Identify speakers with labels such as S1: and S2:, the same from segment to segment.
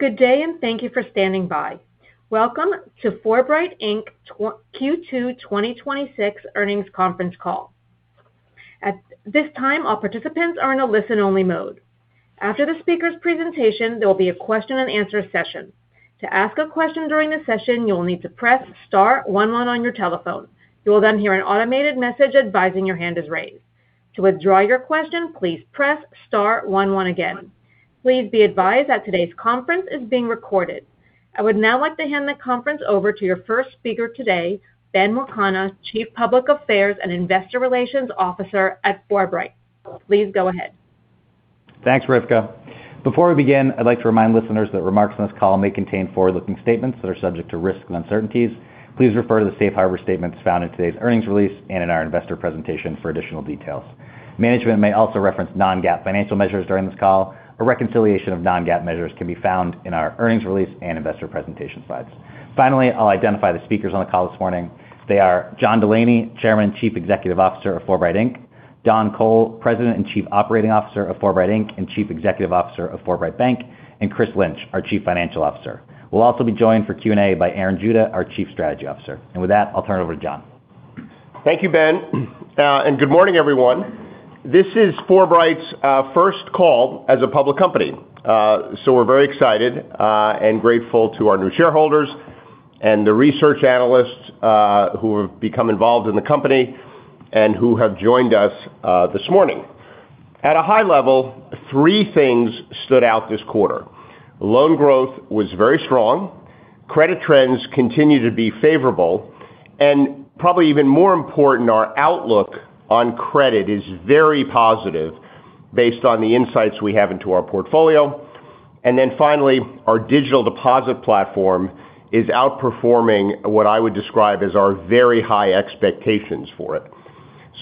S1: Good day, thank you for standing by. Welcome to Forbright Inc. Q2 2026 earnings conference call. At this time, all participants are in a listen-only mode. After the speakers' presentation, there will be a question and answer session. To ask a question during the session, you will need to press star one one on your telephone. You will hear an automated message advising your hand is raised. To withdraw your question, please press star one one again. Please be advised that today's conference is being recorded. I would now like to hand the conference over to your first speaker today, Ben Wakana, Chief Public Affairs and Investor Relations Officer at Forbright. Please go ahead.
S2: Thanks, Rivka. Before we begin, I'd like to remind listeners that remarks on this call may contain forward-looking statements that are subject to risks and uncertainties. Please refer to the safe harbor statements found in today's earnings release and in our investor presentation for additional details. Management may also reference non-GAAP financial measures during this call. A reconciliation of non-GAAP measures can be found in our earnings release and investor presentation slides. Finally, I'll identify the speakers on the call this morning. They are John Delaney, Chairman and Chief Executive Officer of Forbright Inc.; Don Cole, President and Chief Operating Officer of Forbright Inc. and Chief Executive Officer of Forbright Bank; and Chris Lynch, our Chief Financial Officer. We'll also be joined for Q&A by Aaron Juda, our Chief Strategy Officer. With that, I'll turn it over to John.
S3: Thank you, Ben, good morning, everyone. This is Forbright's first call as a public company. We're very excited and grateful to our new shareholders and the research analysts who have become involved in the company and who have joined us this morning. At a high level, three things stood out this quarter. Loan growth was very strong. Credit trends continue to be favorable. Probably even more important, our outlook on credit is very positive based on the insights we have into our portfolio. Finally, our digital deposit platform is outperforming what I would describe as our very high expectations for it.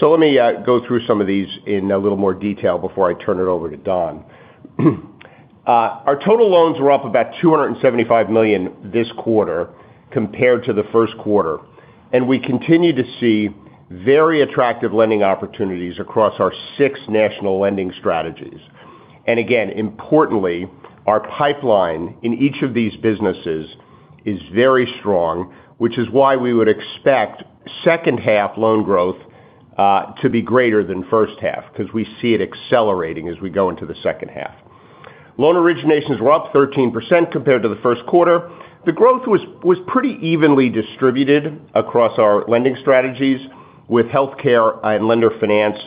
S3: Let me go through some of these in a little more detail before I turn it over to Don. Our total loans were up about $275 million this quarter compared to the first quarter. We continue to see very attractive lending opportunities across our six national lending strategies. Again, importantly, our pipeline in each of these businesses is very strong, which is why we would expect second half loan growth to be greater than first half because we see it accelerating as we go into the second half. Loan originations were up 13% compared to the first quarter. The growth was pretty evenly distributed across our lending strategies, with healthcare and lender finance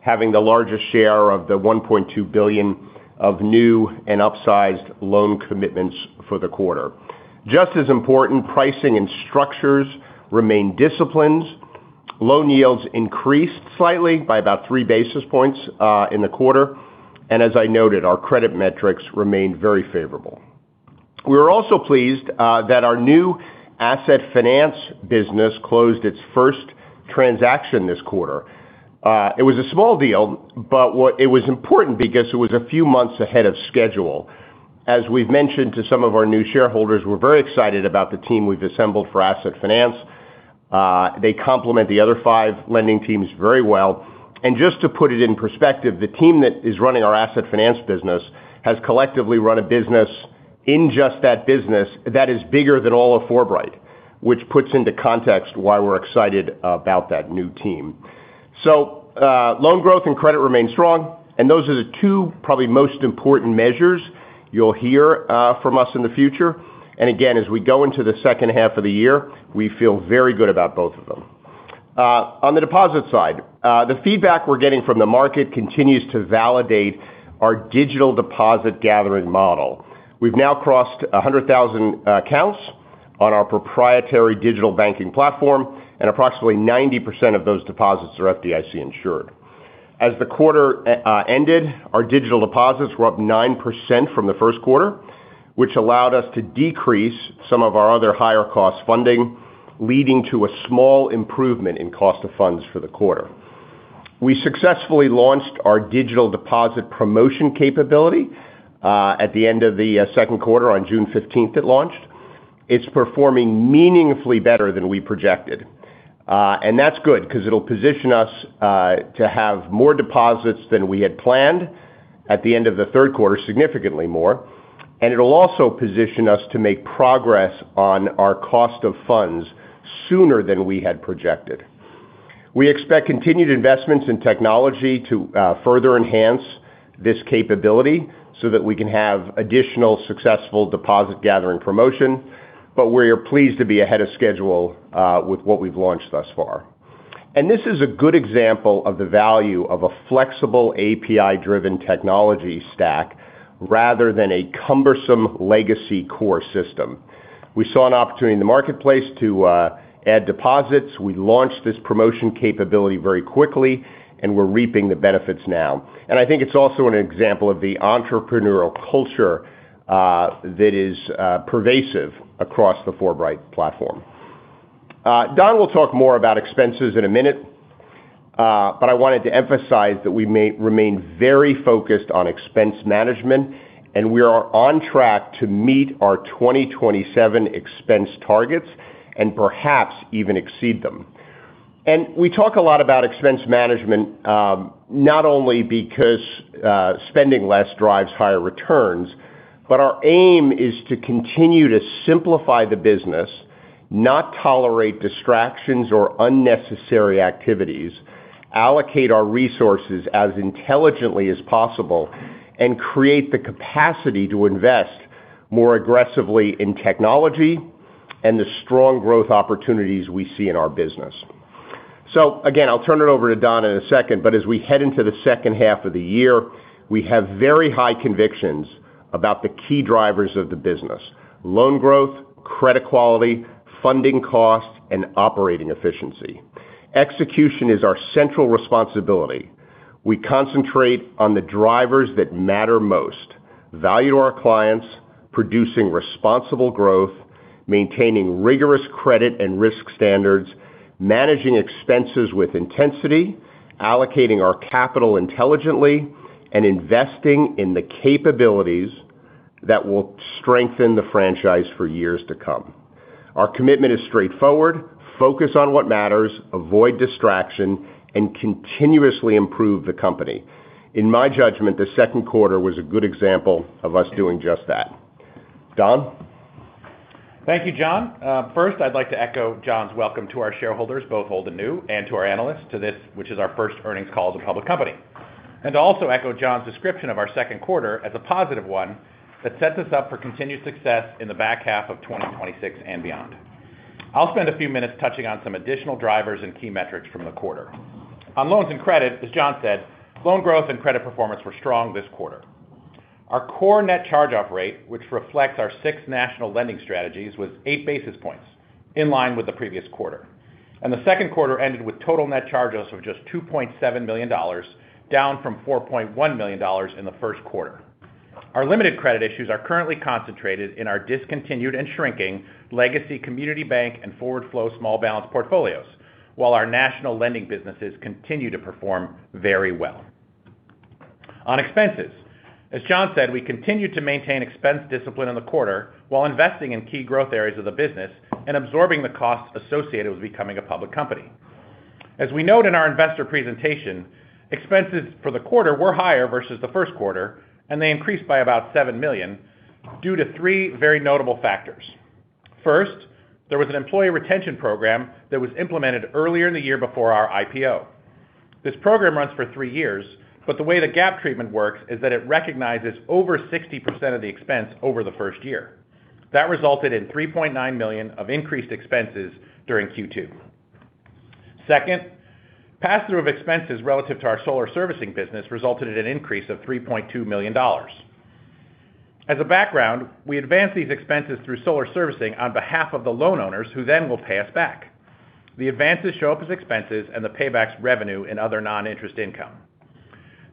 S3: having the largest share of the $1.2 billion of new and upsized loan commitments for the quarter. Just as important, pricing and structures remain disciplined. Loan yields increased slightly by about three basis points in the quarter. As I noted, our credit metrics remained very favorable. We were also pleased that our new asset finance business closed its first transaction this quarter. It was a small deal, but it was important because it was a few months ahead of schedule. As we've mentioned to some of our new shareholders, we're very excited about the team we've assembled for asset finance. They complement the other five lending teams very well. Just to put it in perspective, the team that is running our asset finance business has collectively run a business in just that business that is bigger than all of Forbright, which puts into context why we're excited about that new team. Loan growth and credit remain strong, and those are the two probably most important measures you'll hear from us in the future. Again, as we go into the second half of the year, we feel very good about both of them. On the deposit side, the feedback we're getting from the market continues to validate our digital deposit gathering model. We've now crossed 100,000 accounts on our proprietary digital banking platform, and approximately 90% of those deposits are FDIC insured. As the quarter ended, our digital deposits were up 9% from the first quarter, which allowed us to decrease some of our other higher-cost funding, leading to a small improvement in cost of funds for the quarter. We successfully launched our digital deposit promotion capability at the end of the second quarter. On June 15th, it launched. It's performing meaningfully better than we projected. That's good because it'll position us to have more deposits than we had planned at the end of the third quarter, significantly more. It'll also position us to make progress on our cost of funds sooner than we had projected. We expect continued investments in technology to further enhance this capability so that we can have additional successful deposit-gathering promotion. We are pleased to be ahead of schedule with what we've launched thus far. This is a good example of the value of a flexible API-driven technology stack rather than a cumbersome legacy core system. We saw an opportunity in the marketplace to add deposits. We launched this promotion capability very quickly, and we're reaping the benefits now. I think it's also an example of the entrepreneurial culture that is pervasive across the Forbright platform. Don will talk more about expenses in a minute, but I wanted to emphasize that we remain very focused on expense management, and we are on track to meet our 2027 expense targets and perhaps even exceed them. We talk a lot about expense management, not only because spending less drives higher returns, but our aim is to continue to simplify the business, not tolerate distractions or unnecessary activities, allocate our resources as intelligently as possible, and create the capacity to invest more aggressively in technology and the strong growth opportunities we see in our business. Again, I'll turn it over to Don in a second, but as we head into the second half of the year, we have very high convictions about the key drivers of the business: loan growth, credit quality, funding cost, and operating efficiency. Execution is our central responsibility. We concentrate on the drivers that matter most, value our clients, producing responsible growth, maintaining rigorous credit and risk standards, managing expenses with intensity, allocating our capital intelligently, and investing in the capabilities that will strengthen the franchise for years to come. Our commitment is straightforward, focus on what matters, avoid distraction, and continuously improve the company. In my judgment, the second quarter was a good example of us doing just that. Don?
S4: Thank you, John. First, I'd like to echo John's welcome to our shareholders, both old and new, and to our analysts to this, which is our first earnings call as a public company. To also echo John's description of our second quarter as a positive one that sets us up for continued success in the back half of 2026 and beyond. I'll spend a few minutes touching on some additional drivers and key metrics from the quarter. On loans and credit, as John said, loan growth and credit performance were strong this quarter. Our core net charge-off rate, which reflects our six national lending strategies, was eight basis points, in line with the previous quarter. The second quarter ended with total net charge-offs of just $2.7 million, down from $4.1 million in the first quarter. Our limited credit issues are currently concentrated in our discontinued and shrinking legacy community bank and forward flow small balance portfolios, while our national lending businesses continue to perform very well. On expenses, as John said, we continue to maintain expense discipline in the quarter while investing in key growth areas of the business and absorbing the costs associated with becoming a public company. As we note in our investor presentation, expenses for the quarter were higher versus the first quarter, and they increased by about $7 million due to three very notable factors. First, there was an employee retention program that was implemented earlier in the year before our IPO. This program runs for three years, but the way the GAAP treatment works is that it recognizes over 60% of the expense over the first year. That resulted in $3.9 million of increased expenses during Q2. Second, pass-through of expenses relative to our solar servicing business resulted in an increase of $3.2 million. As a background, we advance these expenses through solar servicing on behalf of the loan owners who then will pay us back. The advances show up as expenses and the paybacks revenue in other non-interest income.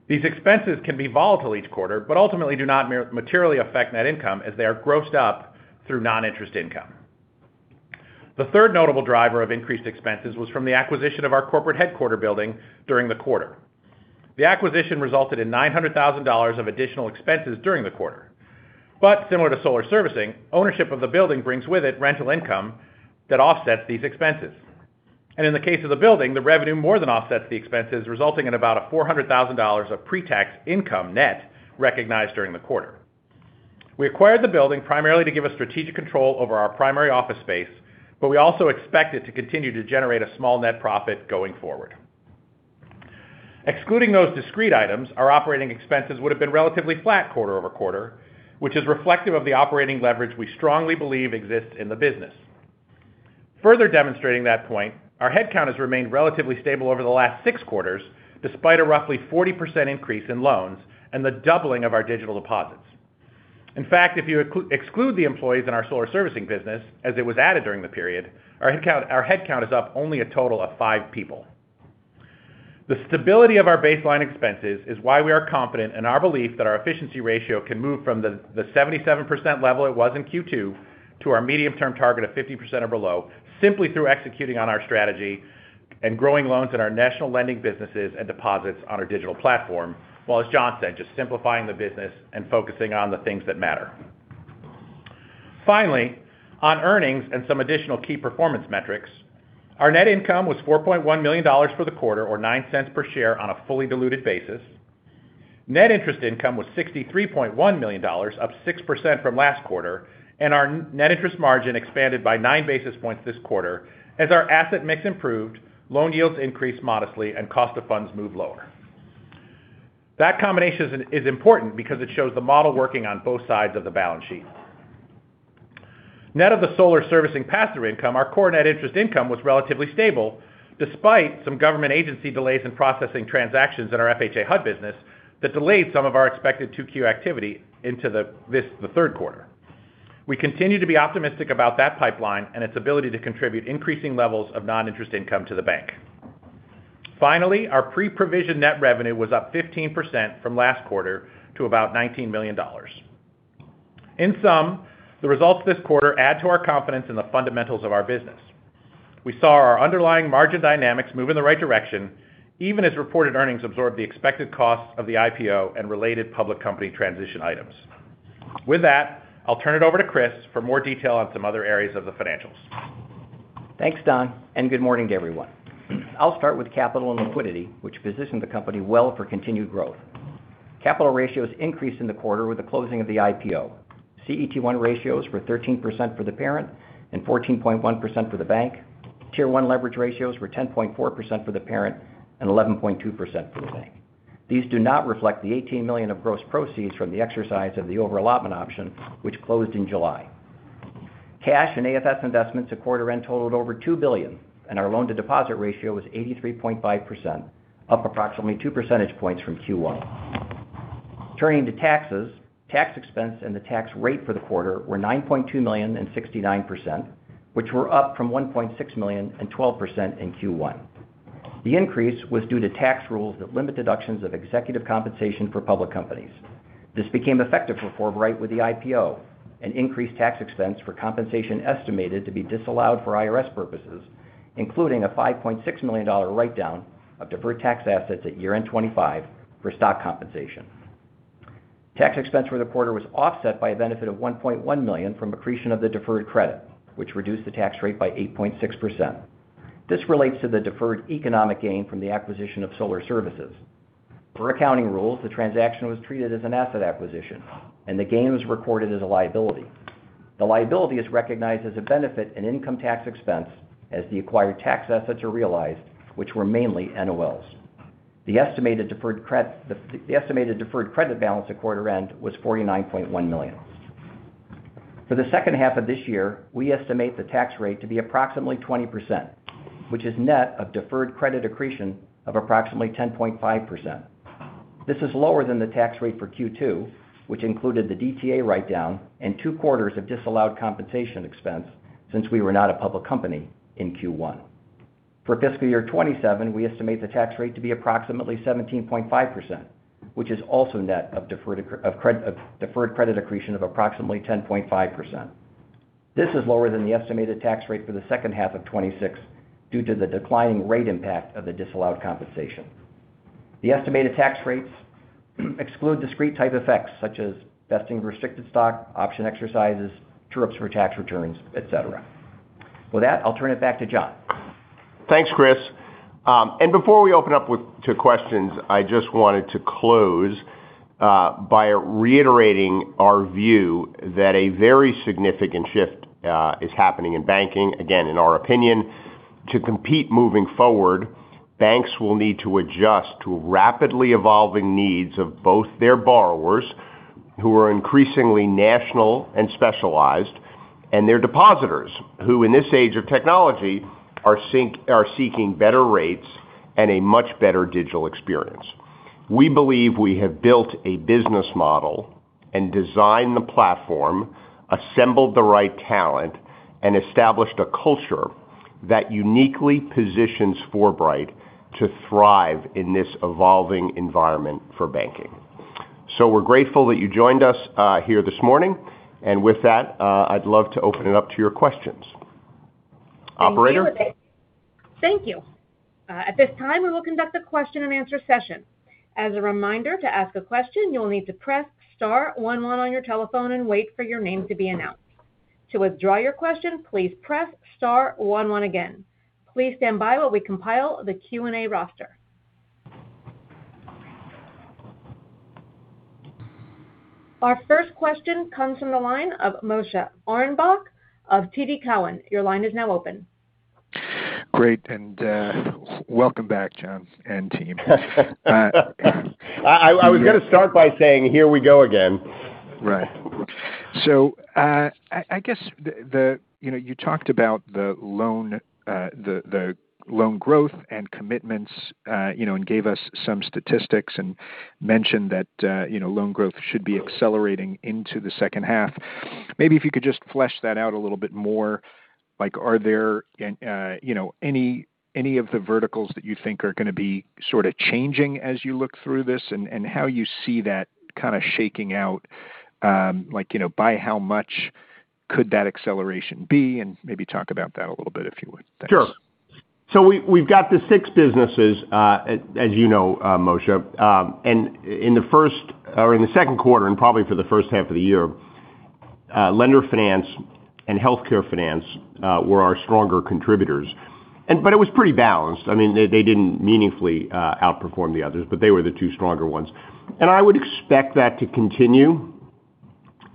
S4: These expenses can be volatile each quarter, but ultimately do not materially affect net income as they are grossed up through non-interest income. The third notable driver of increased expenses was from the acquisition of our corporate headquarter building during the quarter. The acquisition resulted in $900,000 of additional expenses during the quarter. Similar to solar servicing, ownership of the building brings with it rental income that offsets these expenses. In the case of the building, the revenue more than offsets the expenses, resulting in about a $400,000 of pre-tax income net recognized during the quarter. We acquired the building primarily to give us strategic control over our primary office space, but we also expect it to continue to generate a small net profit going forward. Excluding those discrete items, our operating expenses would have been relatively flat quarter-over-quarter, which is reflective of the operating leverage we strongly believe exists in the business. Further demonstrating that point, our headcount has remained relatively stable over the last six quarters, despite a roughly 40% increase in loans and the doubling of our digital deposits. In fact, if you exclude the employees in our Solar Services business, as it was added during the period, our headcount is up only a total of five people. The stability of our baseline expenses is why we are confident in our belief that our efficiency ratio can move from the 77% level it was in Q2 to our medium-term target of 50% or below, simply through executing on our strategy and growing loans in our national lending businesses and deposits on our digital platform. While as John said, just simplifying the business and focusing on the things that matter. Finally, on earnings and some additional key performance metrics, our net income was $4.1 million for the quarter or $0.09 per share on a fully diluted basis. Net interest income was $63.1 million, up 6% from last quarter, and our net interest margin expanded by nine basis points this quarter as our asset mix improved, loan yields increased modestly, and cost of funds moved lower. That combination is important because it shows the model working on both sides of the balance sheet. Net of the Solar Services pass-through income, our core net interest income was relatively stable despite some government agency delays in processing transactions in our FHA HUD business that delayed some of our expected 2Q activity into the third quarter. We continue to be optimistic about that pipeline and its ability to contribute increasing levels of non-interest income to the bank. Finally, our pre-provision net revenue was up 15% from last quarter to about $19 million. In sum, the results this quarter add to our confidence in the fundamentals of our business. We saw our underlying margin dynamics move in the right direction, even as reported earnings absorbed the expected costs of the IPO and related public company transition items. With that, I'll turn it over to Chris for more detail on some other areas of the financials.
S5: Thanks, Don, and good morning, everyone. I'll start with capital and liquidity, which position the company well for continued growth. Capital ratios increased in the quarter with the closing of the IPO. CET1 ratios were 13% for the parent and 14.1% for the bank. Tier 1 leverage ratios were 10.4% for the parent and 11.2% for the bank. These do not reflect the $18 million of gross proceeds from the exercise of the overallotment option, which closed in July. Cash and AFS investments at quarter-end totaled over $2 billion, and our loan-to-deposit ratio was 83.5%, up approximately two percentage points from Q1. Turning to taxes, tax expense and the tax rate for the quarter were $9.2 million and 69%, which were up from $1.6 million and 12% in Q1. The increase was due to tax rules that limit deductions of executive compensation for public companies. This became effective for Forbright with the IPO, an increased tax expense for compensation estimated to be disallowed for IRS purposes, including a $5.6 million write-down of deferred tax assets at year-end 2025 for stock compensation. Tax expense for the quarter was offset by a benefit of $1.1 million from accretion of the deferred credit, which reduced the tax rate by 8.6%. This relates to the deferred economic gain from the acquisition of Solar Services. Per accounting rules, the transaction was treated as an asset acquisition, and the gain was recorded as a liability. The liability is recognized as a benefit and income tax expense as the acquired tax assets are realized, which were mainly NOLs. The estimated deferred credit balance at quarter-end was $49.1 million. For the second half of this year, we estimate the tax rate to be approximately 20%, which is net of deferred credit accretion of approximately 10.5%. This is lower than the tax rate for Q2, which included the DTA write-down and two quarters of disallowed compensation expense since we were not a public company in Q1. For fiscal year 2027, we estimate the tax rate to be approximately 17.5%, which is also net of deferred credit accretion of approximately 10.5%. This is lower than the estimated tax rate for the second half of 2026 due to the declining rate impact of the disallowed compensation. The estimated tax rates exclude discrete-type effects such as vesting restricted stock, option exercises, true-ups for tax returns, et cetera. With that, I'll turn it back to John.
S3: Thanks, Chris. Before we open up to questions, I just wanted to close by reiterating our view that a very significant shift is happening in banking. Again, in our opinion, to compete moving forward, banks will need to adjust to rapidly evolving needs of both their borrowers, who are increasingly national and specialized, and their depositors, who in this age of technology are seeking better rates and a much better digital experience. We believe we have built a business model and designed the platform, assembled the right talent, and established a culture that uniquely positions Forbright to thrive in this evolving environment for banking. We're grateful that you joined us here this morning. With that, I'd love to open it up to your questions. Operator?
S1: Thank you. At this time, we will conduct a question and answer session. As a reminder, to ask a question, you'll need to press star one one on your telephone and wait for your name to be announced. To withdraw your question, please press star one one again. Please stand by while we compile the Q&A roster. Our first question comes from the line of Moshe Orenbuch of TD Cowen. Your line is now open.
S6: Great, welcome back, John and team.
S3: I was going to start by saying, here we go again.
S6: Right. I guess, you talked about the loan growth and commitments, gave us some statistics and mentioned that loan growth should be accelerating into the second half. Maybe if you could just flesh that out a little bit more, like are there any of the verticals that you think are going to be sort of changing as you look through this, and how you see that kind of shaking out? like by how much could that acceleration be, and maybe talk about that a little bit, if you would. Thanks.
S3: Sure. We've got the six businesses, as you know, Moshe. In the second quarter, and probably for the first half of the year, lender finance and healthcare finance were our stronger contributors. It was pretty balanced. They didn't meaningfully outperform the others, but they were the two stronger ones. I would expect that to continue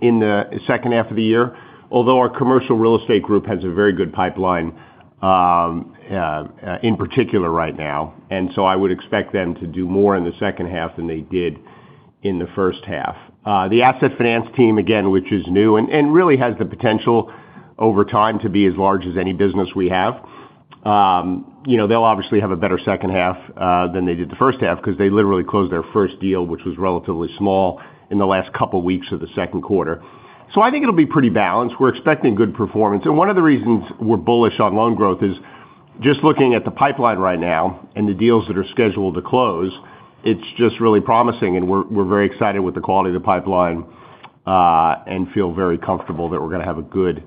S3: in the second half of the year. Although our commercial real estate group has a very good pipeline in particular right now. I would expect them to do more in the second half than they did in the first half. The asset finance team, again, which is new and really has the potential over time to be as large as any business we have. They'll obviously have a better second half than they did the first half because they literally closed their first deal, which was relatively small in the last couple of weeks of the second quarter. I think it'll be pretty balanced. We're expecting good performance. One of the reasons we're bullish on loan growth is just looking at the pipeline right now and the deals that are scheduled to close, it's just really promising, and we're very excited with the quality of the pipeline, and feel very comfortable that we're going to have a good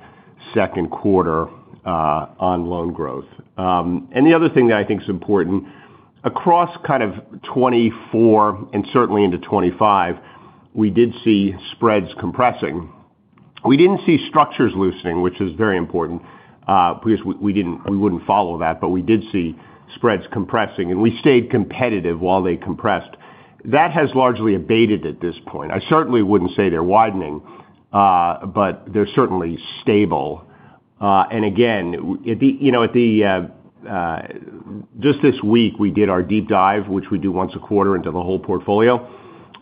S3: second quarter on loan growth. The other thing that I think is important Across kind of 2024 and certainly into 2025, we did see spreads compressing. We didn't see structures loosening, which is very important because we wouldn't follow that, we did see spreads compressing, and we stayed competitive while they compressed. That has largely abated at this point. I certainly wouldn't say they're widening, they're certainly stable. Again, just this week we did our deep dive, which we do once a quarter into the whole portfolio.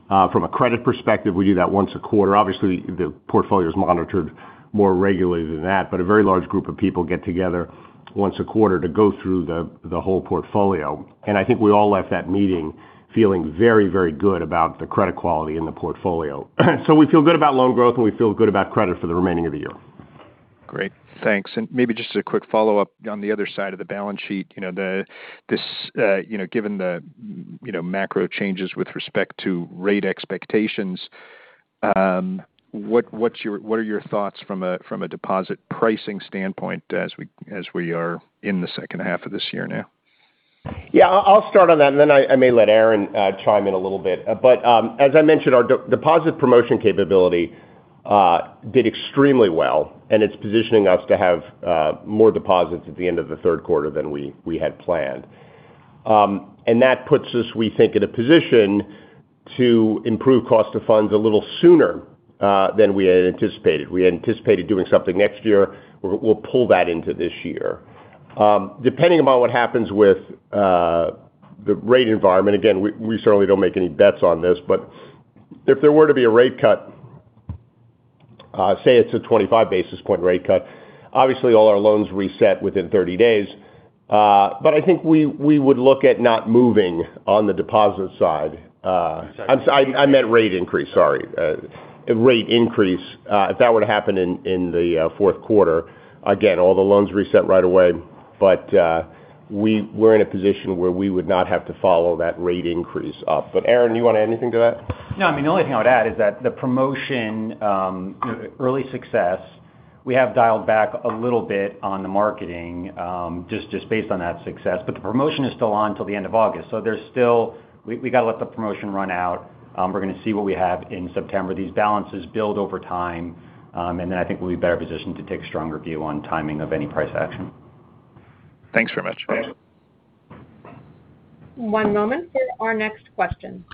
S3: From a credit perspective, we do that once a quarter. Obviously, the portfolio is monitored more regularly than that, but a very large group of people get together once a quarter to go through the whole portfolio. I think we all left that meeting feeling very good about the credit quality in the portfolio. We feel good about loan growth, and we feel good about credit for the remaining of the year.
S6: Great. Thanks. Maybe just a quick follow-up on the other side of the balance sheet. Given the macro changes with respect to rate expectations, what are your thoughts from a deposit pricing standpoint as we are in the second half of this year now?
S3: Yeah. I'll start on that, then I may let Aaron chime in a little bit. As I mentioned, our deposit promotion capability did extremely well, and it's positioning us to have more deposits at the end of the third quarter than we had planned. That puts us, we think, in a position to improve cost of funds a little sooner than we had anticipated. We had anticipated doing something next year. We'll pull that into this year. Depending upon what happens with the rate environment, again, we certainly don't make any bets on this, but if there were to be a rate cut, say it's a 25 basis point rate cut. Obviously, all our loans reset within 30 days. I think we would look at not moving on the deposit side. I meant rate increase, sorry. A rate increase, if that were to happen in the fourth quarter, again, all the loans reset right away. We were in a position where we would not have to follow that rate increase up. Aaron, you want to add anything to that?
S7: No, the only thing I would add is that the promotion early success, we have dialed back a little bit on the marketing, just based on that success. The promotion is still on until the end of August. We've got to let the promotion run out. We're going to see what we have in September. These balances build over time, I think we'll be better positioned to take a stronger view on timing of any price action.
S6: Thanks very much.
S3: Okay.
S1: One moment for our next question.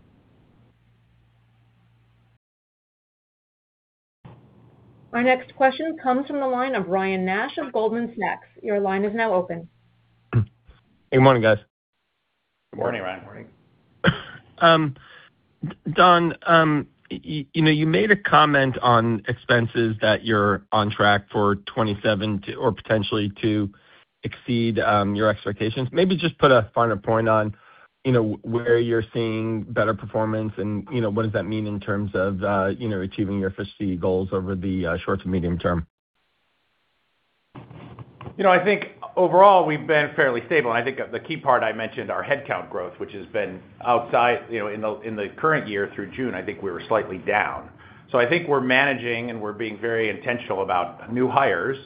S1: Our next question comes from the line of Ryan Nash of Goldman Sachs. Your line is now open.
S8: Good morning, guys.
S7: Good morning, Ryan.
S3: Morning.
S8: Don, you made a comment on expenses that you're on track for 2027 to, or potentially to exceed your expectations. Maybe just put a finer point on where you're seeing better performance, and what does that mean in terms of achieving your efficiency goals over the short to medium term.
S4: I think overall we've been fairly stable. I think the key part I mentioned our headcount growth, which has been outside in the current year through June, I think we were slightly down. So I think we're managing, and we're being very intentional about new hires.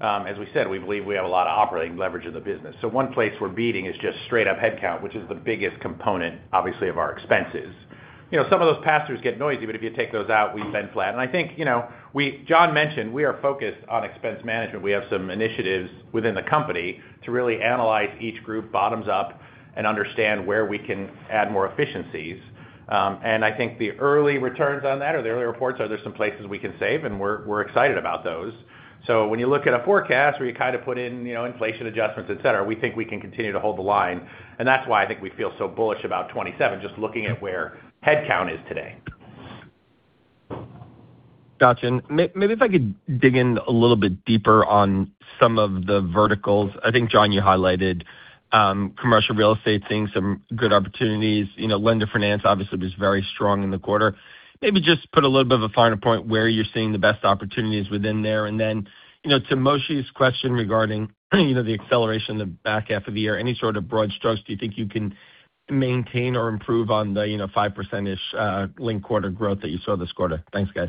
S4: As we said, we believe we have a lot of operating leverage in the business. So one place we're beating is just straight up headcount, which is the biggest component, obviously, of our expenses. Some of those pass-throughs get noisy, but if you take those out, we've been flat. And I think John mentioned we are focused on expense management. We have some initiatives within the company to really analyze each group bottoms up and understand where we can add more efficiencies. I think the early returns on that, or the early reports are there's some places we can save, and we're excited about those. So when you look at a forecast where you kind of put in inflation adjustments, et cetera, we think we can continue to hold the line. And that's why I think we feel so bullish about 2027, just looking at where headcount is today.
S8: Got you. Maybe if I could dig in a little bit deeper on some of the verticals. I think, John, you highlighted commercial real estate, seeing some good opportunities. Lender finance obviously was very strong in the quarter. Maybe just put a little bit of a finer point where you're seeing the best opportunities within there. And then, to Moshe's question regarding the acceleration in the back half of the year, any sort of broad strokes do you think you can maintain or improve on the 5%-ish linked quarter growth that you saw this quarter? Thanks, guys.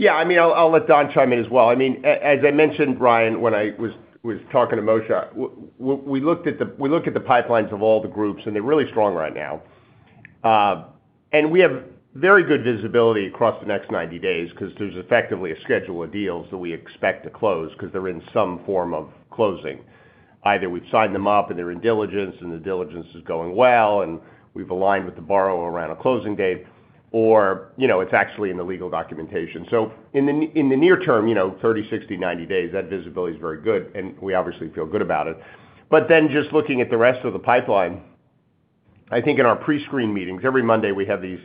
S3: Yeah. I'll let Don chime in as well. As I mentioned, Ryan, when I was talking to Moshe, we looked at the pipelines of all the groups, and they're really strong right now. And we have very good visibility across the next 90 days because there's effectively a schedule of deals that we expect to close because they're in some form of closing. Either we've signed them up and they're in diligence, and the diligence is going well, and we've aligned with the borrower around a closing date, or it's actually in the legal documentation. So in the near term, 30, 60, 90 days, that visibility is very good, and we obviously feel good about it. But then just looking at the rest of the pipeline, I think in our pre-screen meetings, every Monday we have these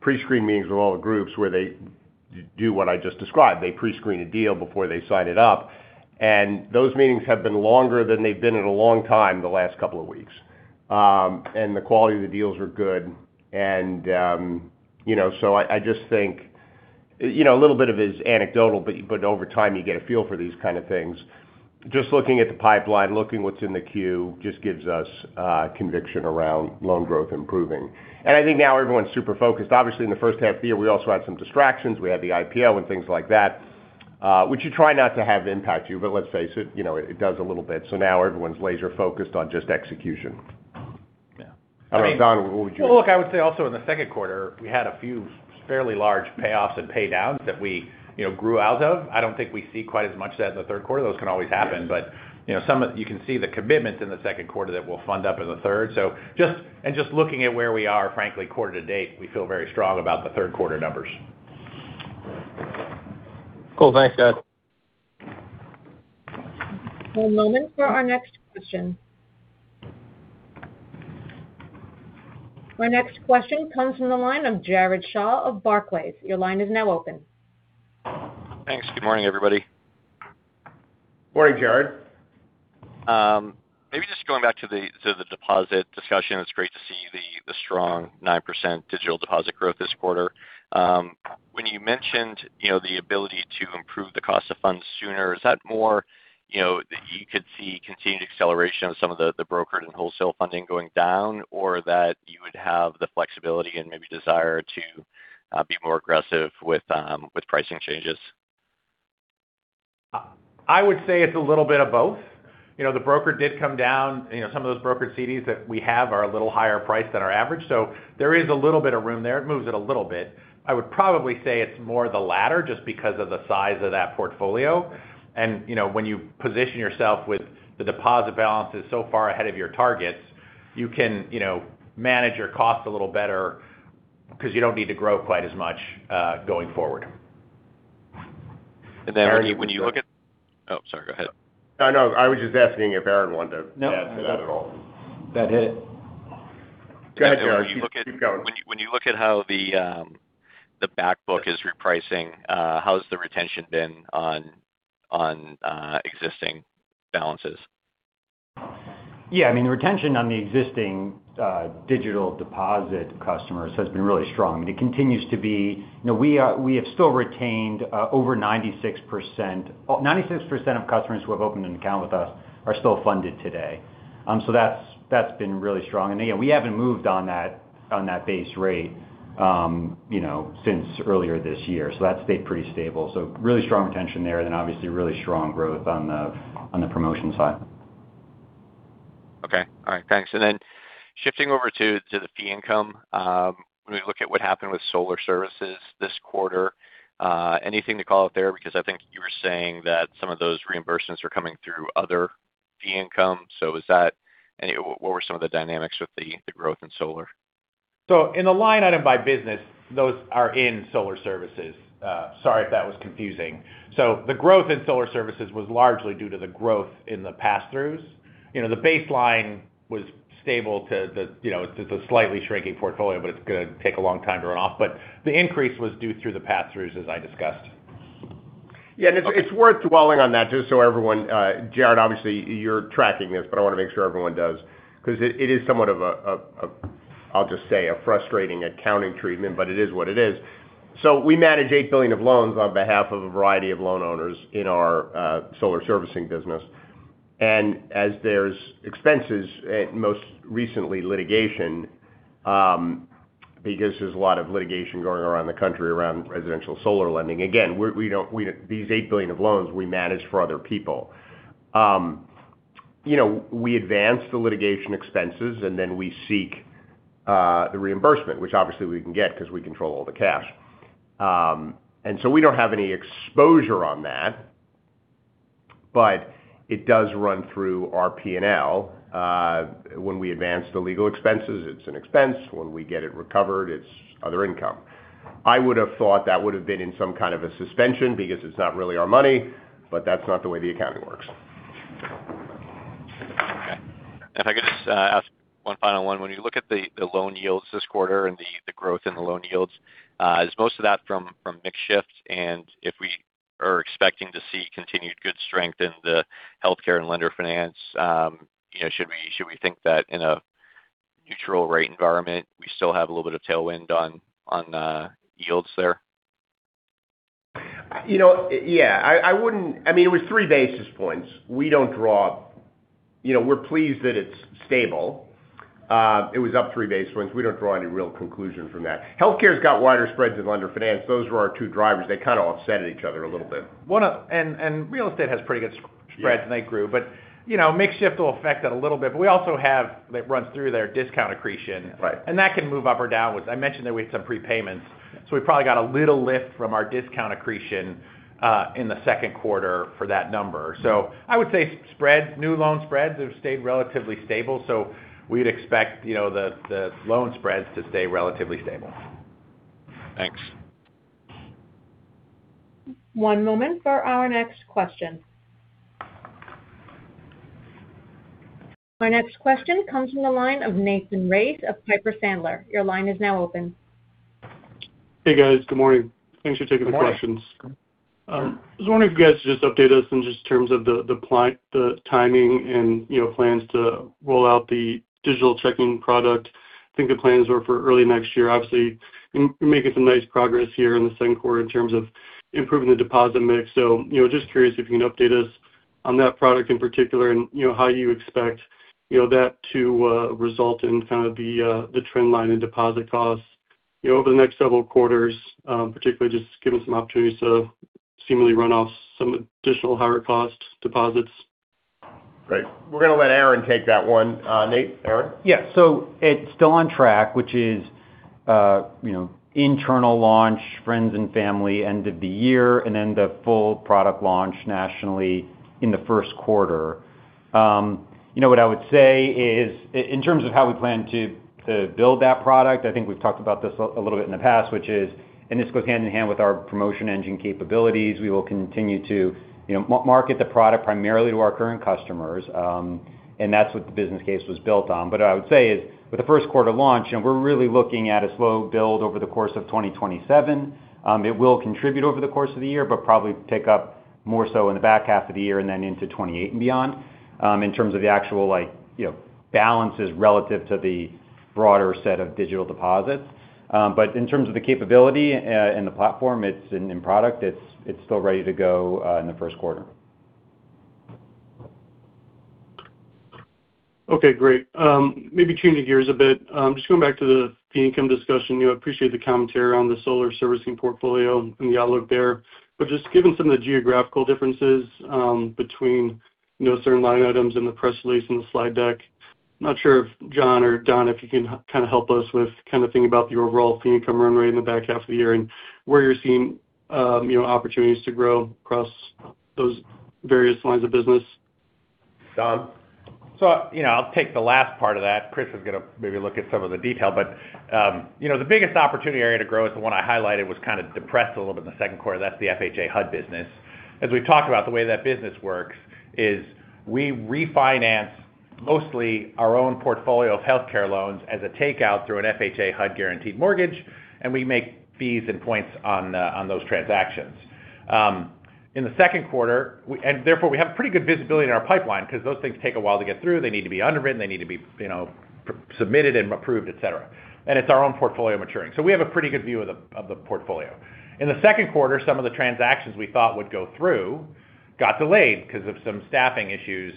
S3: pre-screen meetings with all the groups where they do what I just described. They pre-screen a deal before they sign it up. Those meetings have been longer than they've been in a long time, the last couple of weeks. The quality of the deals are good. I just think a little bit of it is anecdotal, but over time, you get a feel for these kind of things. Looking at the pipeline, looking what's in the queue just gives us conviction around loan growth improving. I think now everyone's super focused. Obviously, in the first half of the year, we also had some distractions. We had the IPO and things like that. Which you try not to have impact you, but let's face it does a little bit. Now everyone's laser focused on just execution.
S4: Yeah.
S3: Don, what would you-
S4: Look, I would say also in the second quarter, we had a few fairly large payoffs and pay downs that we grew out of. I don't think we see quite as much of that in the third quarter. Those can always happen. Yes. You can see the commitment in the second quarter that we'll fund up in the third. Just looking at where we are, frankly, quarter to date, we feel very strong about the third quarter numbers.
S8: Cool. Thanks, guys.
S1: One moment for our next question. Our next question comes from the line of Jared Shaw of Barclays. Your line is now open.
S9: Thanks. Good morning, everybody.
S3: Morning, Jared.
S9: Maybe just going back to the deposit discussion, it's great to see the strong 9% digital deposit growth this quarter. When you mentioned the ability to improve the cost of funds sooner, is that more that you could see continued acceleration of some of the brokered and wholesale funding going down? Or that you would have the flexibility and maybe desire to be more aggressive with pricing changes?
S4: I would say it's a little bit of both. The broker did come down. Some of those brokered CDs that we have are a little higher priced than our average. There is a little bit of room there. It moves it a little bit. I would probably say it's more the latter, just because of the size of that portfolio. When you position yourself with the deposit balances so far ahead of your targets, you can manage your cost a little better because you don't need to grow quite as much going forward.
S9: Oh, sorry, go ahead.
S3: I was just asking if Aaron wanted to add to that at all.
S7: No, that hit it.
S3: Go ahead, Jared. Keep going.
S9: When you look at how the back book is repricing, how has the retention been on existing balances?
S7: Yeah, the retention on the existing digital deposit customers has been really strong, and it continues to be. We have still retained over 96% of customers who have opened an account with us are still funded today. That's been really strong. Again, we haven't moved on that base rate since earlier this year. That's stayed pretty stable. Really strong retention there, obviously really strong growth on the promotion side.
S9: Okay. All right. Thanks. Shifting over to the fee income. When we look at what happened with Solar Services this quarter, anything to call out there? I think you were saying that some of those reimbursements are coming through other fee income. What were some of the dynamics with the growth in solar?
S4: In the line item by business, those are in Solar Services. Sorry if that was confusing. The growth in Solar Services was largely due to the growth in the pass-throughs. The baseline was stable to the slightly shrinking portfolio, but it's going to take a long time to run off. The increase was due through the pass-throughs, as I discussed.
S3: Yeah, it's worth dwelling on that just so everyone, Jared, obviously you're tracking this, but I want to make sure everyone does. It is somewhat of a, I'll just say, a frustrating accounting treatment, but it is what it is. We manage $8 billion of loans on behalf of a variety of loan owners in our solar servicing business. As there's expenses, most recently litigation, there's a lot of litigation going around the country around residential solar lending. Again, these $8 billion of loans we manage for other people. We advance the litigation expenses, we seek the reimbursement, which obviously we can get because we control all the cash. We don't have any exposure on that, but it does run through our P&L. When we advance the legal expenses, it's an expense. When we get it recovered, it's other income. I would have thought that would have been in some kind of a suspension because it's not really our money, but that's not the way the accounting works.
S9: Okay. If I could just ask one final one. When you look at the loan yields this quarter and the growth in the loan yields, is most of that from mix shift? If we are expecting to see continued good strength in the healthcare and lender finance, should we think that in a neutral rate environment, we still have a little bit of tailwind on yields there?
S3: Yeah. It was three basis points. We're pleased that it's stable. It was up three basis points. We don't draw any real conclusion from that. Healthcare's got wider spreads than lender finance. Those were our two drivers. They kind of offset each other a little bit.
S4: Real estate has pretty good spreads, and they grew. Mix shift will affect that a little bit, but we also have, that runs through there, discount accretion.
S3: Right.
S4: That can move up or downwards. I mentioned that we had some prepayments, so we probably got a little lift from our discount accretion in the second quarter for that number. I would say new loan spreads have stayed relatively stable. We'd expect the loan spreads to stay relatively stable.
S9: Thanks.
S1: One moment for our next question. My next question comes from the line of Nathan Race of Piper Sandler. Your line is now open.
S10: Hey, guys. Good morning. Thanks for taking the questions.
S3: Good morning.
S10: I was wondering if you guys could just update us in just terms of the timing and plans to roll out the digital checking product. I think the plans were for early next year. Obviously, you're making some nice progress here in the second quarter in terms of improving the deposit mix. Just curious if you can update us on that product in particular and how you expect that to result in kind of the trend line in deposit costs over the next several quarters, particularly just given some opportunities to seemingly run off some additional higher cost deposits.
S3: Great. We're going to let Aaron take that one. Nate, Aaron?
S7: Yeah. It's still on track, which is internal launch, friends and family end of the year, and then the full product launch nationally in the first quarter. What I would say is, in terms of how we plan to build that product, I think we've talked about this a little bit in the past, which is, and this goes hand-in-hand with our promotion engine capabilities. We will continue to market the product primarily to our current customers, and that's what the business case was built on. What I would say is with the first quarter launch, we're really looking at a slow build over the course of 2027. It will contribute over the course of the year, but probably pick up more so in the back half of the year and then into 2028 and beyond in terms of the actual balances relative to the broader set of digital deposits. In terms of the capability and the platform and product it's still ready to go in the first quarter.
S10: Okay, great. Maybe changing gears a bit, just going back to the fee income discussion. I appreciate the commentary on the Solar Services portfolio and the outlook there. Just given some of the geographical differences between certain line items in the press release and the slide deck, not sure if John or Don, if you can kind of help us with kind of thinking about the overall fee income run rate in the back half of the year and where you're seeing opportunities to grow across those various lines of business.
S3: Don?
S4: I'll take the last part of that. Chris is going to maybe look at some of the detail. The biggest opportunity area to grow is the one I highlighted was kind of depressed a little bit in the second quarter. That's the FHA HUD business. As we've talked about, the way that business works is we refinance mostly our own portfolio of healthcare loans as a takeout through an FHA HUD guaranteed mortgage, and we make fees and points on those transactions. Therefore, we have pretty good visibility in our pipeline because those things take a while to get through. They need to be underwritten. They need to be submitted and approved, et cetera. It's our own portfolio maturing. We have a pretty good view of the portfolio. In the second quarter, some of the transactions we thought would go through got delayed because of some staffing issues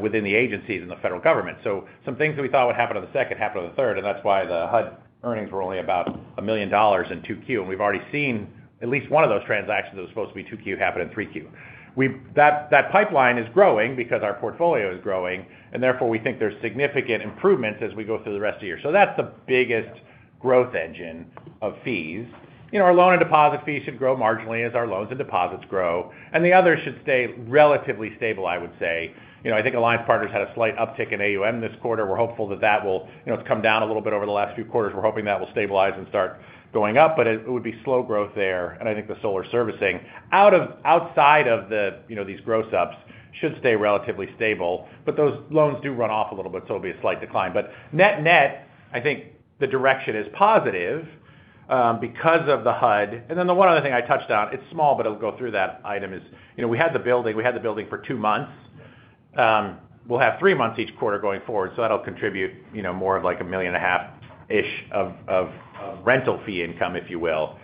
S4: within the agencies and the federal government. Some things that we thought would happen in the second, happened in the third, and that's why the HUD earnings were only about $1 million in 2Q. We've already seen at least one of those transactions that was supposed to be 2Q happen in 3Q. That pipeline is growing because our portfolio is growing, therefore we think there's significant improvements as we go through the rest of the year. That's the biggest growth engine of fees. Our loan and deposit fees should grow marginally as our loans and deposits grow, the others should stay relatively stable, I would say. I think Alliance Partners had a slight uptick in AUM this quarter. It's come down a little bit over the last few quarters. We're hoping that will stabilize and start going up, it would be slow growth there. I think the Solar Services outside of these gross ups should stay relatively stable. Those loans do run off a little bit, it'll be a slight decline. Net-net, I think the direction is positive because of the HUD. The one other thing I touched on, it's small, I'll go through that item is we had the building for 2 months. We'll have 3 months each quarter going forward. That'll contribute more of like $1.5 million-ish of rental fee income, if you will.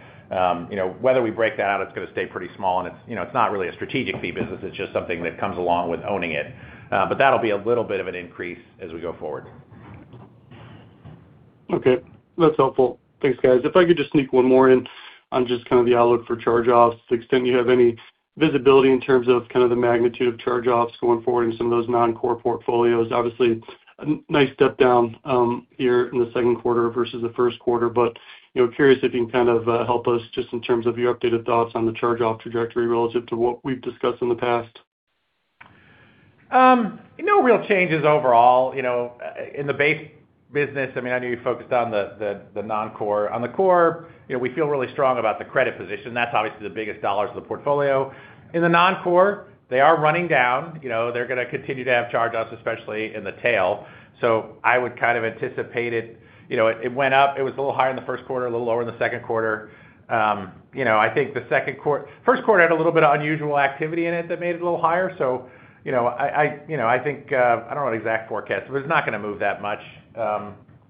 S4: Whether we break that out, it's going to stay pretty small, it's not really a strategic fee business. It's just something that comes along with owning it. That'll be a little bit of an increase as we go forward.
S10: Okay. That's helpful. Thanks, guys. If I could just sneak one more in on just kind of the outlook for charge-offs, to the extent you have any visibility in terms of kind of the magnitude of charge-offs going forward in some of those non-core portfolios. Obviously, a nice step down here in the second quarter versus the first quarter. Curious if you can kind of help us just in terms of your updated thoughts on the charge-off trajectory relative to what we've discussed in the past.
S4: No real changes overall. In the base business, I know you focused on the non-core. On the core, we feel really strong about the credit position. That's obviously the biggest dollars of the portfolio. In the non-core, they are running down. They're going to continue to have charge-offs, especially in the tail. I would kind of anticipate it. It went up. It was a little higher in the first quarter, a little lower in the second quarter. I think the first quarter had a little bit of unusual activity in it that made it a little higher. I don't know an exact forecast, but it's not going to move that much.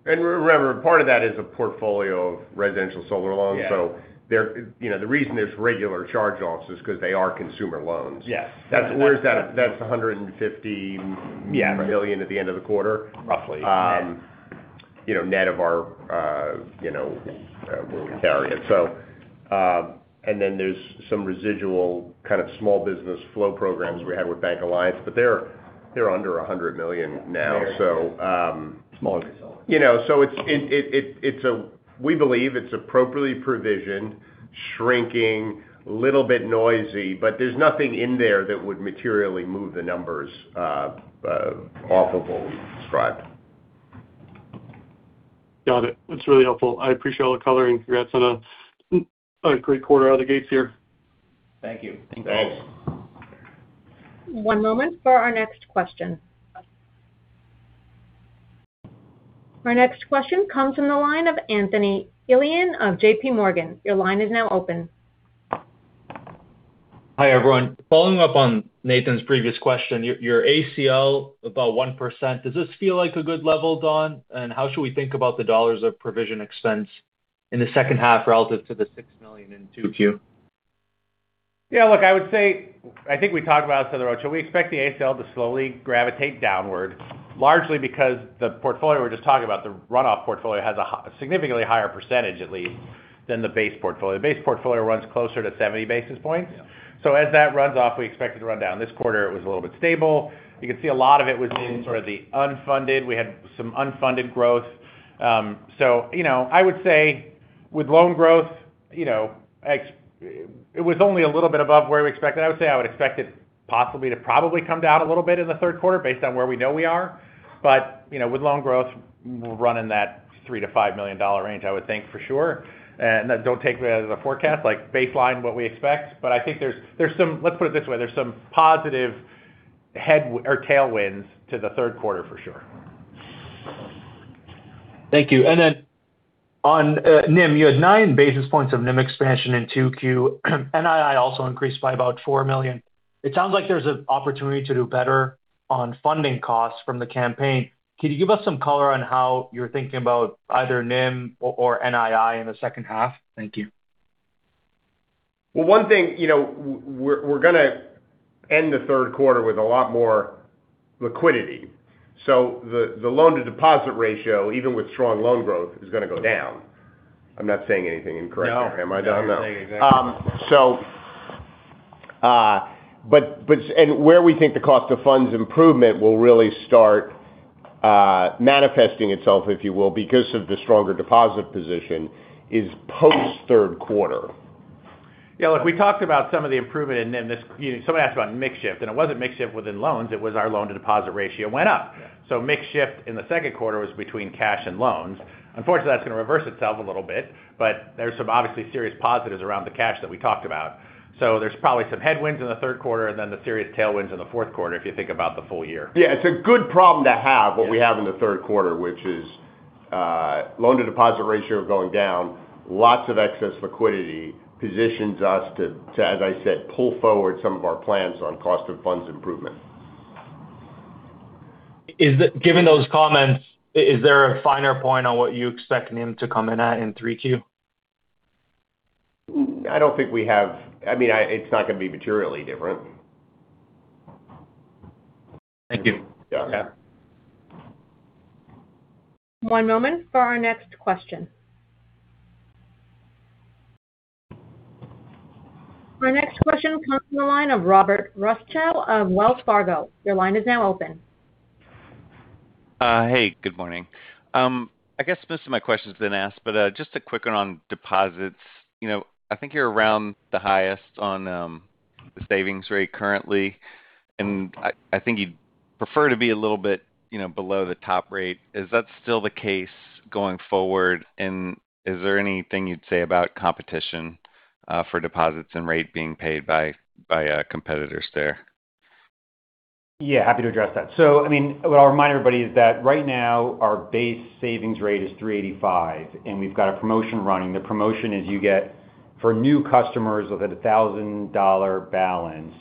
S3: Remember, part of that is a portfolio of residential solar loans.
S4: Yeah.
S3: The reason there's regular charge-offs is because they are consumer loans.
S4: Yes.
S3: That's $150 million at the end of the quarter.
S4: Roughly. Yeah.
S3: Net of our where we carry it. Then there's some residual kind of small business flow programs we had with BancAlliance, but they're under $100 million now.
S4: Very small.
S3: We believe it's appropriately provisioned, shrinking, a little bit noisy, but there's nothing in there that would materially move the numbers off of what we've described.
S10: Got it. That's really helpful. I appreciate all the coloring. Congrats on a great quarter out of the gates here.
S4: Thank you.
S3: Thanks.
S1: One moment for our next question. Our next question comes from the line of Anthony Elian of JPMorgan. Your line is now open.
S11: Hi, everyone. Following up on Nathan's previous question, your ACL about 1%, does this feel like a good level, Don? How should we think about the dollars of provision expense in the second half relative to the $6 million in 2Q?
S4: We expect the ACL to slowly gravitate downward, largely because the portfolio we're just talking about, the runoff portfolio, has a significantly higher percentage, at least, than the base portfolio. The base portfolio runs closer to 70 basis points. As that runs off, we expect it to run down. This quarter, it was a little bit stable. You could see a lot of it was in sort of the unfunded. We had some unfunded growth. With loan growth, it was only a little bit above where we expected. I would expect it possibly to probably come down a little bit in the third quarter based on where we know we are. With loan growth running that 3 to $5 million range, I would think for sure. Don't take that as a forecast, like baseline what we expect. I think there's some, let's put it this way, there's some positive headwinds or tailwinds to the third quarter for sure.
S11: Thank you. On NIM, you had 9 basis points of NIM expansion in 2Q. NII also increased by about $4 million. It sounds like there's an opportunity to do better on funding costs from the campaign. Can you give us some color on how you're thinking about either NIM or NII in the second half? Thank you.
S4: Well, one thing, we're going to end the third quarter with a lot more liquidity. The loan-to-deposit ratio, even with strong loan growth, is going to go down. I'm not saying anything incorrect there. Am I? No.
S3: No, you're saying exactly.
S4: Where we think the cost of funds improvement will really start manifesting itself, if you will, because of the stronger deposit position, is post third quarter. Yeah, look, we talked about some of the improvement in this. Somebody asked about mix shift, and it wasn't mix shift within loans, it was our loan-to-deposit ratio went up.
S11: Yeah.
S4: Mix shift in the second quarter was between cash and loans. Unfortunately, that's going to reverse itself a little bit, but there's some obviously serious positives around the cash that we talked about. There's probably some headwinds in the third quarter and then the serious tailwinds in the fourth quarter if you think about the full year.
S3: Yeah. It's a good problem to have. Yeah, what we have in the third quarter, which is loan-to-deposit ratio going down. Lots of excess liquidity positions us to, as I said, pull forward some of our plans on cost of funds improvement.
S11: Given those comments, is there a finer point on what you expect NIM to come in at in 3Q?
S4: It's not going to be materially different.
S11: Thank you.
S3: Yeah.
S4: Okay.
S1: One moment for our next question. Our next question comes from the line of Robert Rutschow of Wells Fargo. Your line is now open.
S12: Hey, good morning. I guess most of my question's been asked, but just a quick one on deposits. I think you're around the highest on the savings rate currently, and I think you'd prefer to be a little bit below the top rate. Is that still the case going forward? Is there anything you'd say about competition for deposits and rate being paid by competitors there?
S7: Yeah, happy to address that. What I'll remind everybody is that right now our base savings rate is 3.85%, and we've got a promotion running. The promotion is you get for new customers with a $1,000 balance,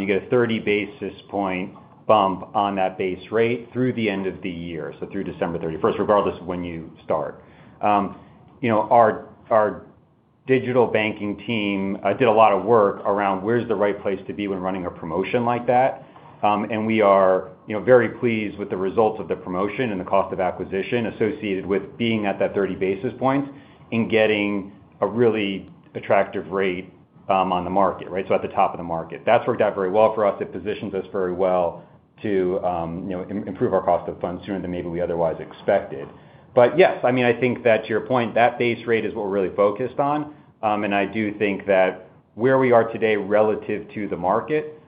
S7: you get a 30 basis points bump on that base rate through the end of the year. Through December 31st, regardless of when you start. Our digital banking team did a lot of work around where's the right place to be when running a promotion like that. We are very pleased with the results of the promotion and the cost of acquisition associated with being at that 30 basis points and getting a really attractive rate on the market. Right? At the top of the market. That's worked out very well for us. It positions us very well to improve our cost of funds sooner than maybe we otherwise expected. Yes, I think that to your point, that base rate is what we're really focused on. I do think that where we are today relative to the market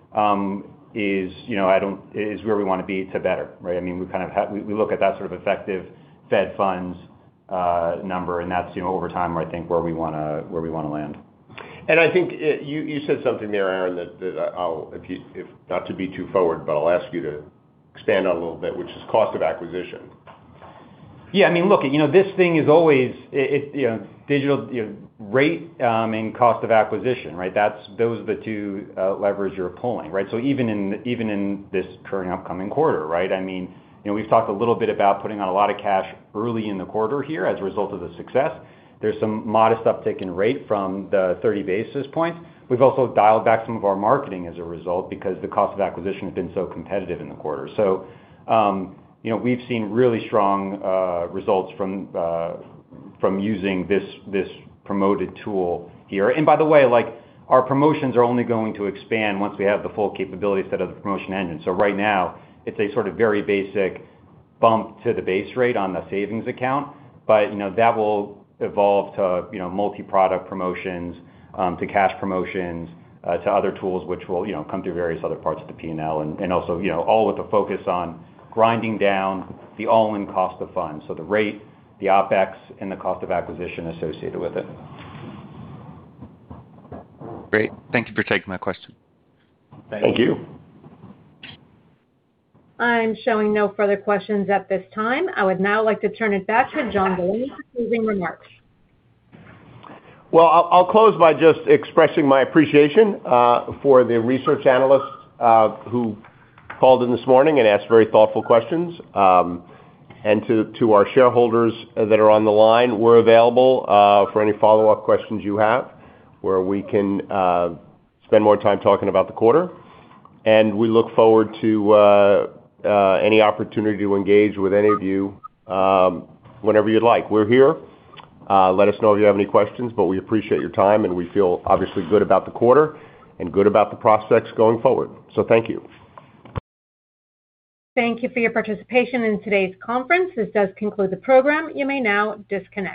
S7: is where we want to be to better. Right? We look at that sort of effective Fed funds number, and that's over time, I think where we want to land.
S3: I think you said something there, Aaron, that not to be too forward, but I'll ask you to expand on a little bit, which is cost of acquisition.
S7: Look, this thing is always rate and cost of acquisition, right? Those are the two levers you're pulling, right? Even in this current upcoming quarter, right? We've talked a little bit about putting on a lot of cash early in the quarter here as a result of the success. There's some modest uptick in rate from the 30 basis points. We've also dialed back some of our marketing as a result because the cost of acquisition has been so competitive in the quarter. We've seen really strong results from using this promoted tool here. By the way, our promotions are only going to expand once we have the full capability set of the promotion engine. Right now it's a sort of very basic bump to the base rate on the savings account. That will evolve to multi-product promotions, to cash promotions, to other tools which will come through various other parts of the P&L. Also all with the focus on grinding down the all-in cost of funds. The rate, the OpEx, and the cost of acquisition associated with it.
S12: Great. Thank you for taking my question.
S7: Thank you.
S3: Thank you.
S1: I'm showing no further questions at this time. I would now like to turn it back to John Delaney for closing remarks.
S3: I'll close by just expressing my appreciation for the research analysts who called in this morning and asked very thoughtful questions. To our shareholders that are on the line, we're available for any follow-up questions you have where we can spend more time talking about the quarter. We look forward to any opportunity to engage with any of you whenever you'd like. We're here. Let us know if you have any questions, but we appreciate your time, and we feel obviously good about the quarter and good about the prospects going forward. Thank you.
S1: Thank you for your participation in today's conference. This does conclude the program. You may now disconnect.